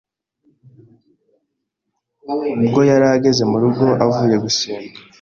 ubwo yari ageze mu rugo avuye gusenga